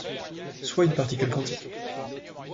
Soit une particule quantique.